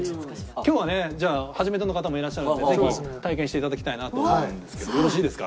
今日はねじゃあ初めての方もいらっしゃるのでぜひ体験していただきたいなと思うんですけどよろしいですか？